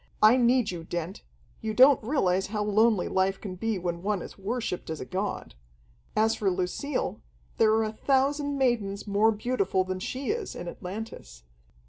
I need you, Dent. You don't realize how lonely life can be when one is worshiped as a god. As for Lucille, there are a thousand maidens more beautiful than she is, in Atlantis.